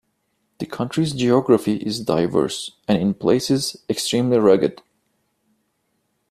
The country's geography is diverse and, in places, extremely rugged.